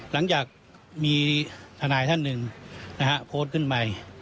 หลังจากมีธนายท่านหนึ่งโพสต์ขึ้นมา